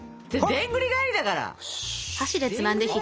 でんぐり返しだからそれ。